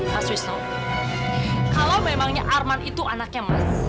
mas wisnu kalau memangnya arman itu anaknya mas